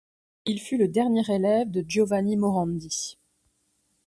Il fut le dernier élève de Giovanni Morandi.